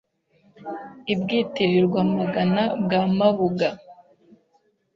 I Bwitirirwamagana bwa Mabuga